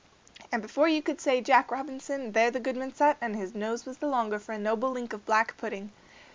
And before you could say Jack Robinson, there the goodman sat and his nose was the longer for a noble link of black pudding.